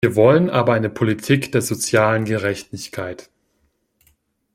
Wir wollen aber eine Politik der sozialen Gerechtigkeit!